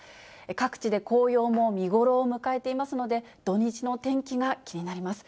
各地で紅葉も見頃を迎えていますので、土日の天気が気になります。